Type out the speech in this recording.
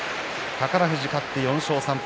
宝富士勝って４勝３敗。